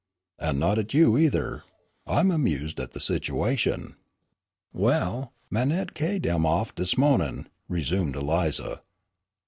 "And not at you, either; I'm amused at the situation." "Well, Manette ca'ied him off dis mo'nin'," resumed Eliza.